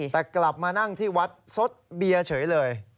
แต่กลับมานั่งที่วัดสดเบียร์เฉยเลย